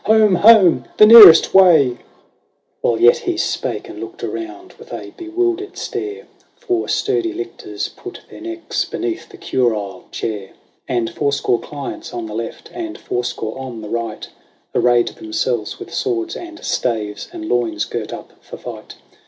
Home, home, the nearest way !" VIRGINIA. 173 While yet he spake, and looked around with a bewildered stare, Four sturdy lictors put their necks beneath the curule chair ; And fourscore clients on the left, and fourscore on the right. Arrayed themselves with swords and staves, and loins girt up for fight.